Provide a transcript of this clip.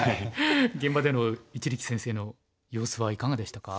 現場での一力先生の様子はいかがでしたか？